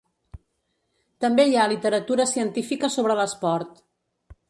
També hi ha literatura científica sobre l’esport.